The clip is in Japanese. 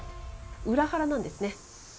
裏腹なんですね。